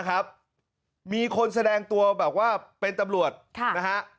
นะครับมีคนแสดงตัวแบบว่าเป็นตำรวจ